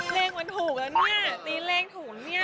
เพลงมันถูกแล้วเนี่ยตีเลขถูกเนี่ย